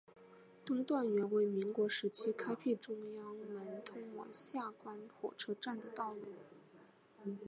东段原为民国时期开辟中央门通往下关火车站的道路。